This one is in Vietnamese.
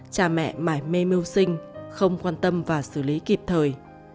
cha mẹ mải mê mưu sinh không quan tâm và xử lý kịp thời